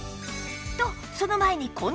とその前にうん。